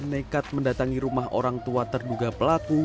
nekat mendatangi rumah orang tua terduga pelaku